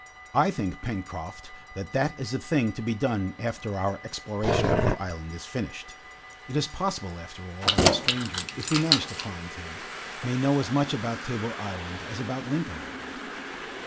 "I think, Pencroft, that that is a thing to be done after our exploration of the island is finished. It is possible after all that the stranger, if we manage to find him, may know as much about Tabor Island as about Lincoln Island.